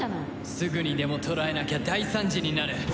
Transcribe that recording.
すぐにでも捕らえなきゃ大惨事になる。